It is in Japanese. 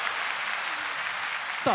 さあ